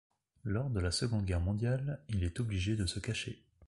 Lors de la Seconde Guerre mondiale, il est obligé de se cacher.